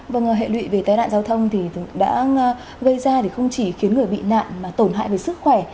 vâng hệ lụy về tai nạn giao thông thì đã gây ra thì không chỉ khiến người bị nạn mà tổn hại về sức khỏe